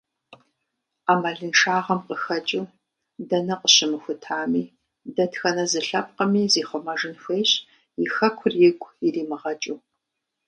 Ӏэмалыншагъэм къыхэкӏыу, дэнэ къыщымыхутами, дэтхэнэ зы лъэпкъми зихъумэжын хуейщ, и Хэкур игу иримыгъэкӏыу.